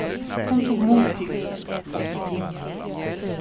Hon tog mod till sig och gick in.